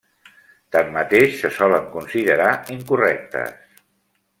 Tanmateix se solen considerar incorrectes.